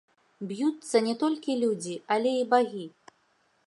Б'юцца не толькі людзі, але і багі.